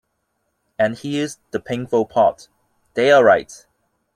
And here's the painful part: They're right.